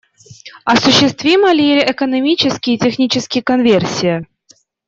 Осуществима ли экономически и технически конверсия?